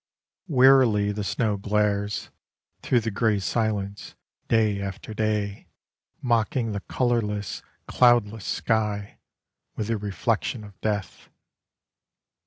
Wearily the snow glares, Through the grey silence, day after day, Mocking the colourless cloudless sky With the reflection of death.